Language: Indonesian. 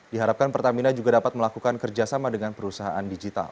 diharapkan pertamina juga dapat melakukan kerjasama dengan perusahaan digital